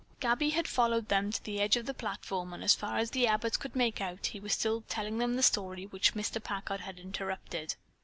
Gabby had followed them to the edge of the platform, and as far as the Abbotts could make out, he was still telling them the story which Mr. Packard had interrupted.